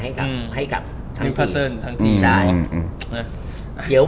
เอ้า๑๙๖๕บาท